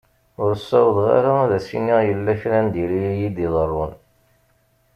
Ur sawḍeɣ ara ad as-iniɣ yella kra n diri iyi-d-iḍerrun.